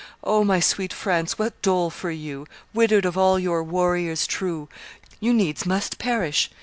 O my sweet France, what dole for you, Widowed of all your warriors true! You needs must perish!